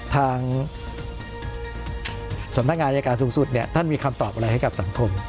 ทางสำนักงานอายการสูงสุดเนี่ยท่านมีคำตอบอะไรให้กับสังคม